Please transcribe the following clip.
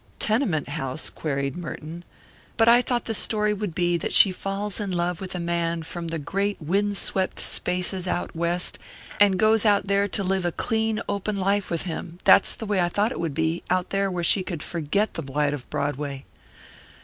"Tenement house?" queried Merton. "But I thought the story would be that she falls in love with a man from the great wind swept spaces out West, and goes out there to live a clean open life with him that's the way I thought it would be out there where she could forget the blight of Broadway."